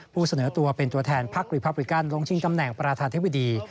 เสนอตัวเป็นตัวแทนพักรีพับริกันลงชิงตำแหน่งประธานธิบดี